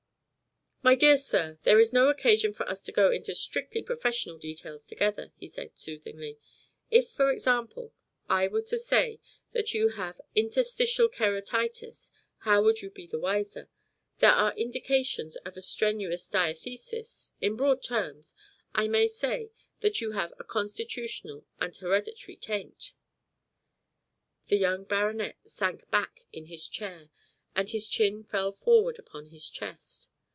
"My dear sir, there is no occasion for us to go into strictly professional details together," said he soothingly. "If, for example, I were to say that you have interstitial keratitis, how would you be the wiser? There are indications of a strumous diathesis. In broad terms, I may say that you have a constitutional and hereditary taint." The young baronet sank back in his chair, and his chin fell forwards upon his chest.